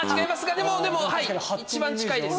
でも一番近いです。